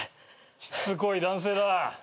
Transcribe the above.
しつこい男性だ。